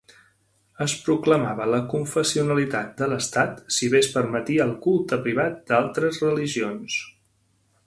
Es proclamava la confessionalitat de l'Estat, si bé es permetia el culte privat d'altres religions.